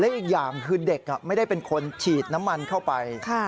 อีกอย่างคือเด็กไม่ได้เป็นคนฉีดน้ำมันเข้าไป